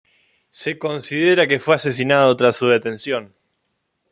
Se considera que fue asesinado tras su detención.